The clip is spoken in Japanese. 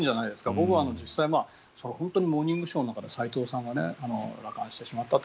僕は実際、本当に「モーニングショー」の中で斎藤さんが感染してしまったと。